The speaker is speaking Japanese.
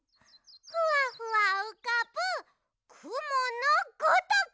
ふわふわうかぶくものごとく！